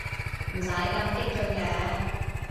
唔使咁激進嘅